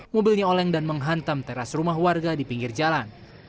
mobilnya oleng dan menghantam teras rumah warga di pinggir jalan